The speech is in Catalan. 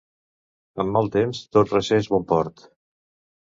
Amb mal temps tot recer és bon port.